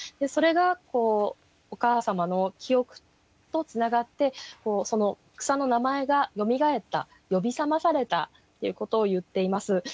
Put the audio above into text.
それがお母様の記憶とつながってその草の名前が蘇った呼び覚まされたということを言っています。